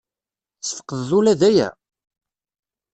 Tesfeqdeḍ ula d aya?